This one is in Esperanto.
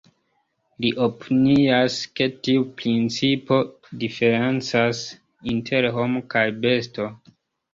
Li opinias, ke tiu principo diferencas inter homo kaj besto.